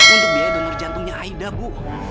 untuk biaya donor jantungnya aida bu